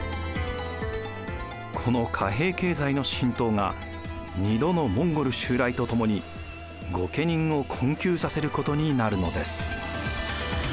この貨幣経済の浸透が２度のモンゴル襲来とともに御家人を困窮させることになるのです。